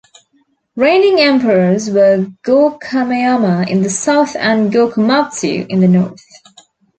Reigning Emperors were Go-Kameyama in the south and Go-Komatsu in the north.